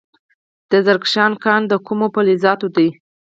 د زرکشان کان د کومو فلزاتو دی؟